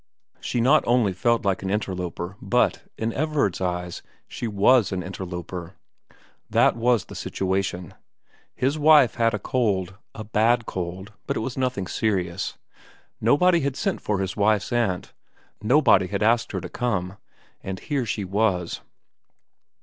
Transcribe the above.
She not only felt like an interloper but, in Everard's eyes, she was an interloper. This was the situation : His wife had a cold a bad cold, but not anything serious ; nobody had sent for his wife's aunt ; nobody had asked her to come ; and here she was.